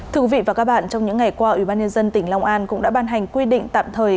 thưa quý vị và các bạn trong những ngày qua ubnd tỉnh long an cũng đã ban hành quy định tạm thời